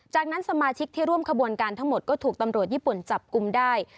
จากนั้นสมาชิกที่ร่วมขบวนการทั้งหมดก็ถูกตำรวจญี่ปุ่นจับกลุ่มได้